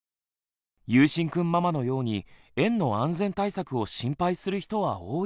ゆうしんくんママのように園の安全対策を心配する人は多いはず。